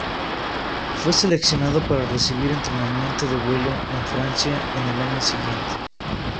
Fue seleccionado para recibir entrenamiento de vuelo en Francia en el año siguiente.